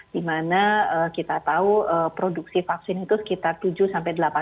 dimana kita tahu produksi vaksin itu sekitar tujuh sampai delapan miliar